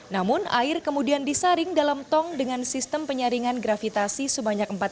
namun air kemudian disaring dalam tong dengan sistem penyaringan gravitasi sebanyak empat puluh